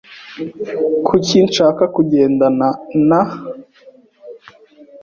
Kuki nshaka kugendana na ?